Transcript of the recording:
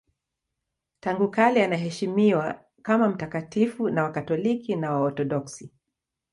Tangu kale anaheshimiwa kama mtakatifu na Wakatoliki na Waorthodoksi.